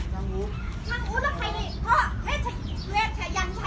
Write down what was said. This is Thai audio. ตอนนี้เขาไปราชการที่เชียงใหม่ที่ฝ้าของเขา